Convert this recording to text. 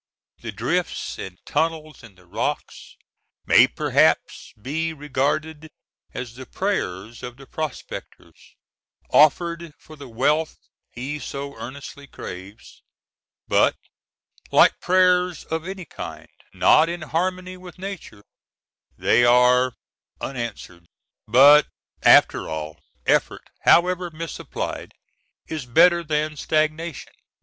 The drifts and tunnels in the rocks may perhaps be regarded as the prayers of the prospector, offered for the wealth he so earnestly craves; but, like prayers of any kind not in harmony with nature, they are unanswered. But, after all, effort, however misapplied, is better than stagnation.